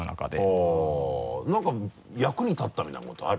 はぁ何か役に立ったみたいなことある？